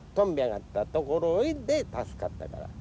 がったところで助かったから。